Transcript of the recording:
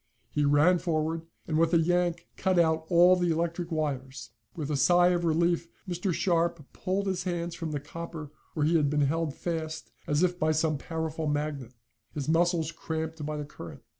He ran forward and with a yank cut out all the electric wires. With a sigh of relief Mr. Sharp pulled his hands from the copper where he had been held fast as if by some powerful magnet, his muscles cramped by the current.